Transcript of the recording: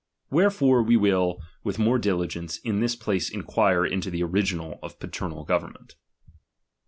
Wherefore we will, with the more diligence, in this place inquire into the original ^^ paternal government.